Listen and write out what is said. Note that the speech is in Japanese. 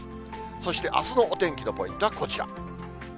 そしてあすのお天気のポイントはこちら。